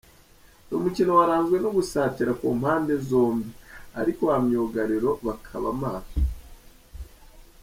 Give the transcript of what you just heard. Uyu mukino waranzwe no gusatira ku mpande zombie, ariko ba myugariro bakaba maso.